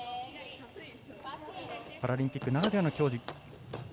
パラリンピックならではの競技。